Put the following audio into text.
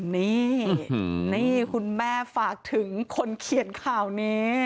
นี่นี่คุณแม่ฝากถึงคนเขียนข่าวนี้